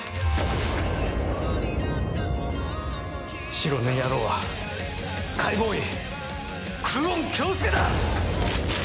白塗り野郎は解剖医久遠京介だ！